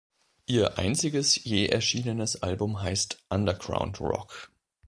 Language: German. Ihr einziges je erschienenes Album heißt „Underground-Rock“.